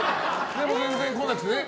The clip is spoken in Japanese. でも全然来なくてね。